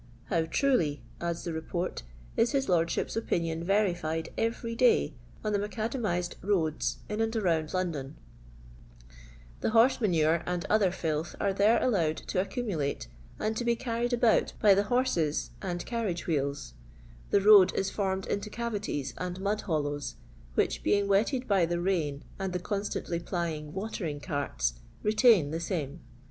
How truly," adds the Report, "is his Loraship's opinion verified every day on the mac adamiied roads in and around London }*••The horse manure and other filth are them allowed to accumulate, and to be carried about by the horses and carriage wheels ; the load if formed into cavities and mud hollows, whidi, being wetted by the rain and the con •tantly plying wUerinff carts, retain the same.